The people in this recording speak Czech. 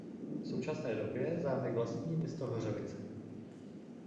V současné době zámek vlastní město Hořovice.